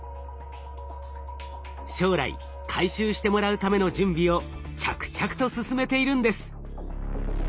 将来回収してもらうための準備を着々と進めているんです。